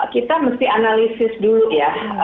kita mesti analisis dulu ya